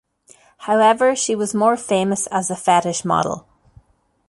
However, she was more famous as a fetish model.